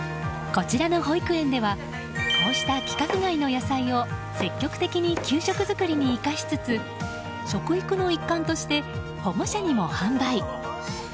こちらの保育園ではこうした規格外の野菜を積極的に給食作りに生かしつつ食育の一環として保護者にも販売。